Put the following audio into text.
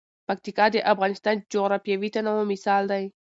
پکتیکا د افغانستان د جغرافیوي تنوع مثال دی.